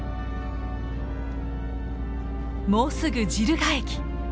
もうすぐジルガ駅。